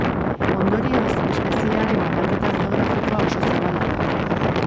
Ondorioz, espeziearen banaketa geografikoa oso zabala da.